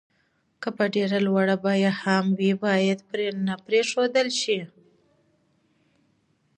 که په ډېره لوړه بيه هم وي بايد پرې نه ښودل شي.